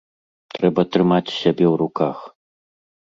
Трэба трымаць сябе ў руках.